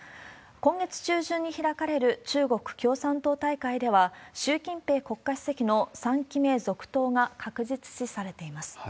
今月中旬に開かれる中国共産党大会では、習近平国家主席の３期目続投が確実視されています。